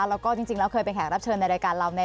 แล้วก็จริงแล้วเคยเป็นแขกรับเชิญในรายการเรา